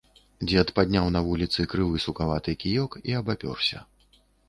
Дзед падняў на вуліцы крывы сукаваты кіёк і абапёрся.